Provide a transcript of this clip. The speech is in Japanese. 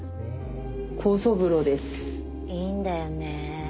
いいんだよね。